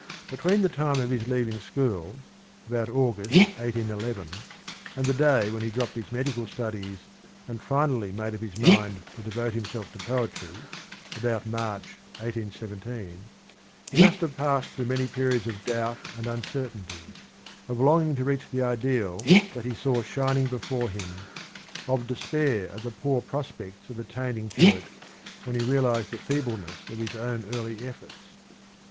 Between the time of his leaving school (about August, 1811) and the day when he dropped his medical studies and finally made up his mind to devote himself to poetry (about March, 18 17), he must have passed through many periods of doubt and uncertainty, of longing to reach the ideal that he saw shining before him, of despair at the poor pro.spects of attaining to it when he realised the feebleness of his own early efforts.